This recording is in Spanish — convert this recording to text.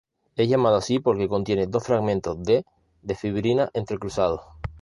Es llamado así porque contiene dos fragmentos D de fibrina entrecruzados.